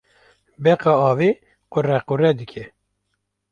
Beqa avê qurequrê dike.